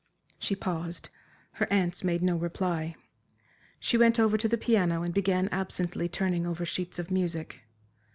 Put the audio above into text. She paused, her aunts made no reply. She went over to the piano and began absently turning over sheets of music.